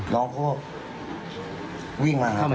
น้องเขาก็วิ่งมาครับ